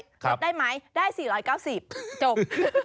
ลดได้ไหมได้๔๙๐จบ